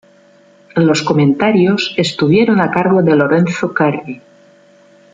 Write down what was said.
Los comentarios estuvieron a cargo de Lorenzo Carri.